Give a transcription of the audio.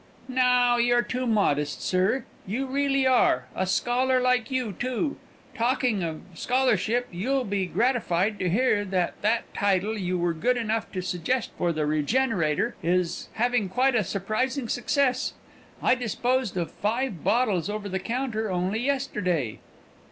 "Now, you're too modest, sir; you reelly are a scholar like you, too! Talking of scholarship, you'll be gratified to hear that that title you were good enough to suggest for the 'Regenerator' is having a quite surprising success. I disposed of five bottles over the counter only yesterday."